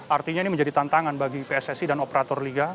artinya ini menjadi tantangan bagi pssi dan operator liga